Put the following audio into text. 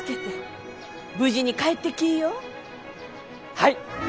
はい！